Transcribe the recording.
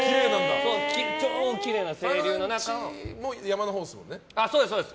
超きれいな清流。